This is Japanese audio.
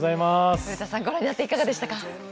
古田さん、ご覧になっていかがでしたか？